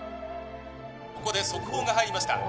ここで速報が入りました